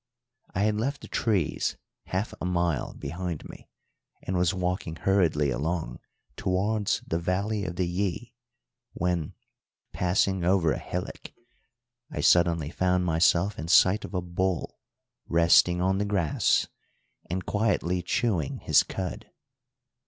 I had left the trees half a mile behind me, and was walking hurriedly along towards the valley of the Yí, when, passing over a hillock, I suddenly found myself in sight of a bull resting on the grass and quietly chewing his cud.